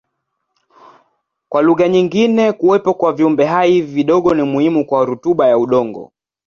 Kwa lugha nyingine kuwepo kwa viumbehai hivi vidogo ni muhimu kwa rutuba ya udongo.